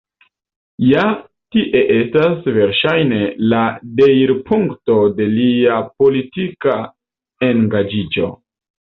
Ja tie estas, verŝajne, la deirpunkto de lia politika engaĝiĝo.